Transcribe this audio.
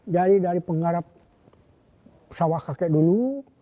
jadi dari penggarap sawah kakek dulu